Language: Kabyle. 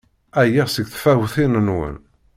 Ɛyiɣ seg tfawtin-nwen!